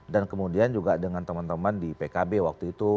dan kemudian juga dengan teman teman di pkb waktu itu